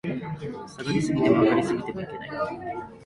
下がり過ぎても、上がり過ぎてもいけない